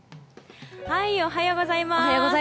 おはようございます。